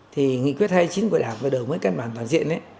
thì nghị quyết hay chính của đảng và đồng mấy cân bản toàn diện